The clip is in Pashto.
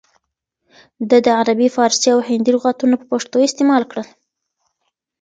ده د عربي، فارسي او هندي لغاتونه په پښتو استعمال کړل